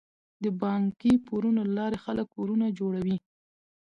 د بانکي پورونو له لارې خلک کورونه جوړوي.